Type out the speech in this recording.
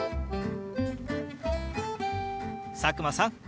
佐久間さん